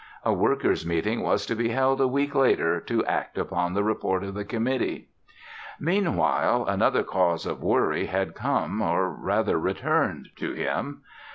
A worker's meeting was to be held a week later to act upon the report of the committee. Meanwhile, another cause of worry had come or rather returned to him.